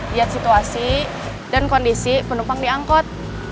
lihat situasi dan kondisi penumpang diangkut